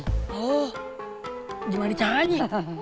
oh gimana caranya